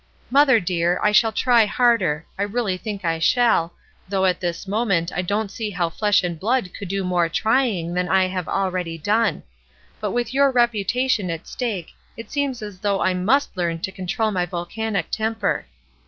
Mother dear, THE VICTORS 83 I shall try harder, — I really think I shall, though at this moment I don't see how flesh and blood could do more trying than I have already done, — but with your reputation at stake it seems as though I mitst learn to control my volcanic temper.